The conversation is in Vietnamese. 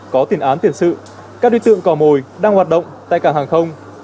có tiền án tiền sự các đối tượng cò mồi đang hoạt động tại cảng hàng không